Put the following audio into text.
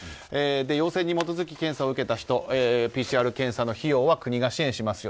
要請に基づき検査を受けた人ＰＣＲ検査の費用は国が支援しますよ。